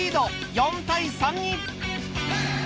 ４対３に。